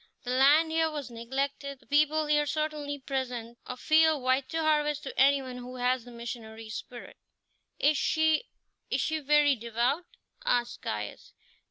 The land here was neglected; the people here certainly present a field white to harvest to anyone who has the missionary spirit." "Is she is she very devout?" asked Caius.